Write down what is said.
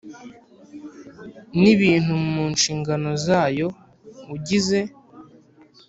N ibintu mu nshingano zayo ugize